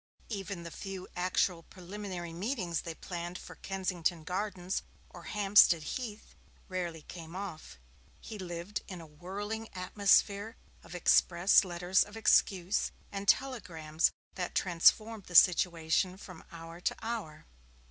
Even the few actual preliminary meetings they planned for Kensington Gardens or Hampstead Heath rarely came off. He lived in a whirling atmosphere of express letters of excuse, and telegrams that transformed the situation from hour to hour.